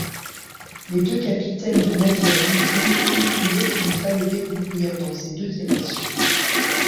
Les deux capitaines de navires vikings conclurent qu'il fallait découvrir dans ces deux directions.